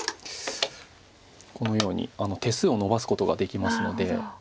このように手数をのばすことができますので。